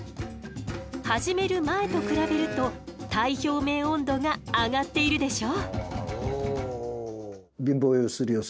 始める前と比べると体表面温度が上がっているでしょ？